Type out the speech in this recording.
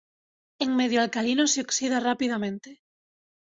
En medio alcalino se oxida rápidamente.